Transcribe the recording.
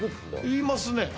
言いますね。